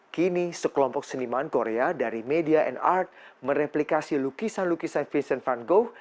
kini sekelompok seniman korea dari media and art mereplikasi lukisan lukisan vincent van go